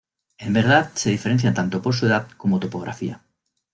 En verdad se diferencian tanto por su edad como topografía.